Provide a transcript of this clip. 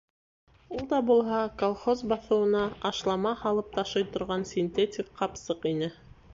Ул да булһа колхоз баҫыуына ашлама һалып ташый торған синтетик ҡапсыҡ ине.